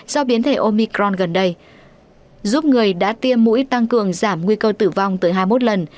do biến thể omicron gần đây giúp người đã tiêm mũi tăng cường giảm nguy cơ tử vong tới hai mươi một lần